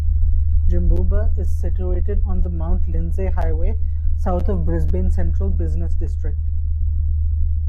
Jimboomba is situated on the Mount Lindesay Highway, south of Brisbane central business district.